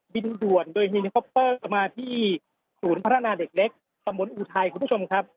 บินด่วนโดยมาที่ศูนย์พัฒนาเด็กเล็กสำวนอูไทยคุณผู้ชมครับ